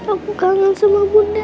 aku kangen semua bunda